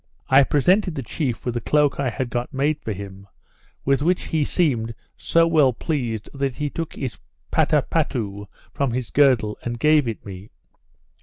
I presented the chief with the cloak I had got made for him, with which he seemed so well pleased, that he took his pattapattou from his girdle and gave it me.